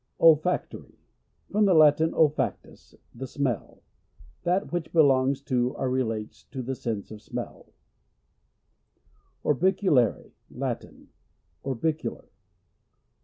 i Olfactory. — From the Latin olfactus, \ the smell. That which belongs or | relates to the sense of smell, j Orbiculare. — Latin. Orbicular.